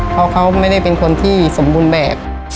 เพราะเขาไม่ได้เป็นคนที่สมบูรณ์แบบ